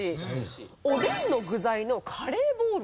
おでんの具材のカレーボール。